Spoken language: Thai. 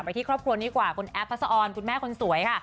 ที่ครอบครัวนี้กว่าคุณแอฟทัศออนคุณแม่คนสวยค่ะ